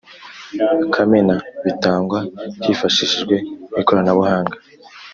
Kamena bitangwa hifashishijwe ikoranabuhanga